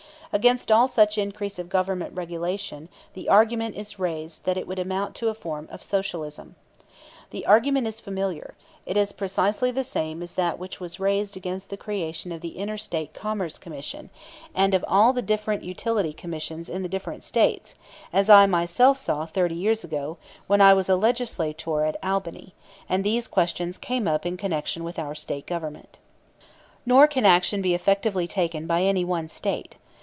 Against all such increase of Government regulation the argument is raised that it would amount to a form of Socialism. This argument is familiar; it is precisely the same as that which was raised against the creation of the Inter State Commerce Commission, and of all the different utilities commissions in the different States, as I myself saw, thirty years ago, when I was a legislator at Albany, and these questions came up in connection with our State Government. Nor can action be effectively taken by any one State.